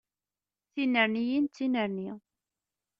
Tinerniyin d tinerni.